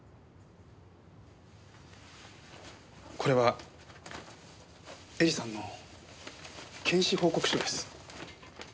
これは絵里さんの検視報告書です。